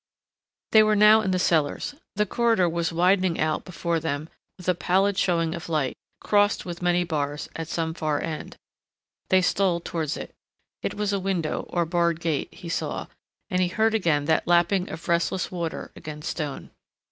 They were now in the cellars. The corridor was widening out before them with a pallid showing of light, crossed with many bars, at some far end.... They stole towards it. It was a window, or barred gate, he saw, and he heard again that lapping of restless water against stone.